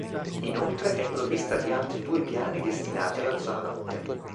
Inoltre, è provvista di altri due piani destinati alla zona notte.